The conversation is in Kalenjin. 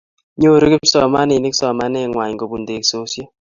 Nyoru kipsomaninik somanet ngwai kobun teksosiek